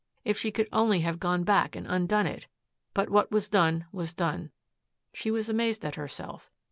If she could only have gone back and undone it! But what was done, was done, She was amazed at herself.